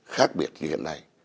khác biệt như hiện nay